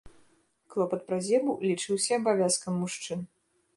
Клопат пра зебу лічыўся абавязкам мужчын.